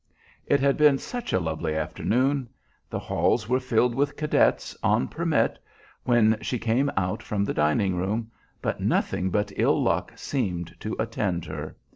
It has been such a lovely afternoon. The halls were filled with cadets "on permit," when she came out from the dining room, but nothing but ill luck seemed to attend her.